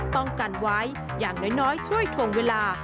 ป้องกันไว้อย่างน้อยช่วยถวงเวลา